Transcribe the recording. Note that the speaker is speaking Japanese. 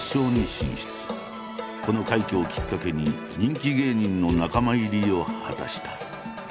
この快挙をきっかけに人気芸人の仲間入りを果たした。